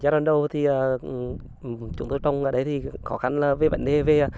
giai đoạn đầu thì chúng tôi trồng ở đấy thì khó khăn là về bản đề về